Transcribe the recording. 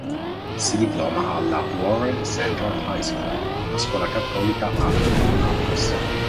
Si diploma alla "Warren Central High School", una scuola cattolica, a Indianapolis.